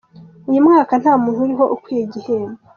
Uyu mwaka nta muntu uriho ukwiye igihembo